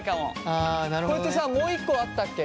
あなるほどね。これってさもう一個あったっけ？